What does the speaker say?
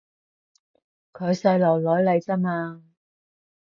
佢細路女嚟咋嘛